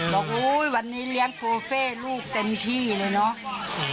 อุ้ยวันนี้เลี้ยงโคเฟ่ลูกเต็มที่เลยเนาะ